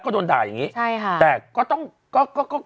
อุ้ยจังหวัด